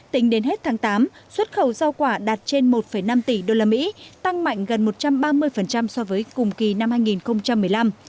tính đến hết tháng tám xuất khẩu rau quả đạt trên một năm tỷ usd tăng mạnh gần một trăm ba mươi so với cùng kỳ năm hai nghìn một mươi năm